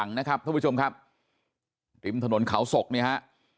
แล้วก็ยัดลงถังสีฟ้าขนาด๒๐๐ลิตร